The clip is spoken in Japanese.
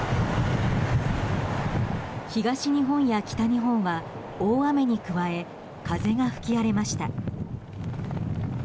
東日本や北日本は大雨に加え風が吹き荒れました。